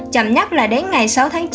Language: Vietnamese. chậm nhắc là đến ngày sáu tháng chín